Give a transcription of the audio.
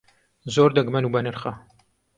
زۆر دەگمەن و بەنرخە.